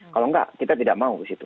kalau enggak kita tidak mau ke situ